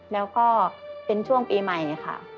แล้วก็เป็นช่วงปีใหม่ค่ะ